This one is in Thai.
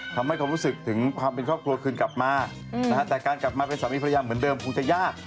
ทำให้เขารู้สึกถึงความเป็นครอบครัวคืนกลับมาแต่การกลับมาเป็นสามีภรรยาเหมือนเดิมคงจะยาก